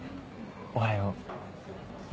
おはよう。